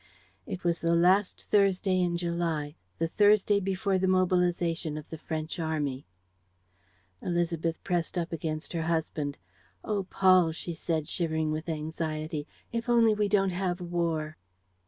It was the last Thursday in July, the Thursday before the mobilization of the French army. Élisabeth pressed up against her husband: "Oh, Paul," she said, shivering with anxiety, "if only we don't have war!"